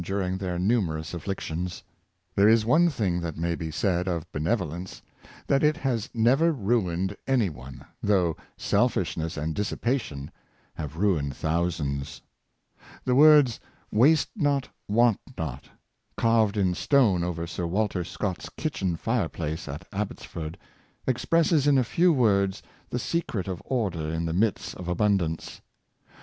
i during their numerous afflictions. There is one thing that may be said of benevolence; that it has never ruined any one, though selfishness and dissipation have ruined thousands. The words, " Waste not, want not," carved in stone over Sir Walter Scott's kitchen fire place at Abbotsford, expresses in a few words the se cret of order in the midst of abundance.